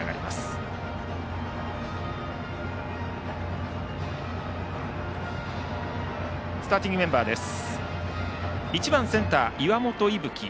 報徳学園のスターティングメンバーです。